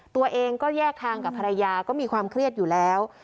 ตัวเองก็แยกทางกับภรรยาก็มีความเครียดอยู่แล้ว